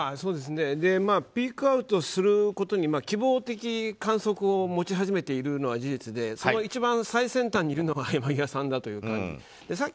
ピークアウトすることに希望的観測を持ち始めているのは事実でその一番、最先端にいるのが山際さんだという感じ。